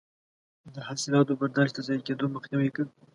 د حاصلاتو برداشت د ضایع کیدو مخنیوی کوي.